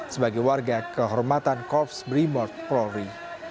sebagai warga kehormatan korps brimot pro ri